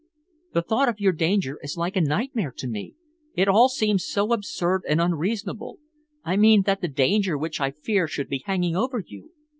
The thought of your danger is like a nightmare to me. It all seems so absurd and unreasonable I mean that the danger which I fear should be hanging over you.